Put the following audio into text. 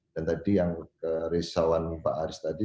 dan tadi yang keresauan pak aris tadi